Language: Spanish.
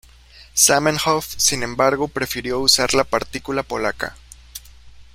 Zamenhof sin embargo, prefirió usar la partícula polaca.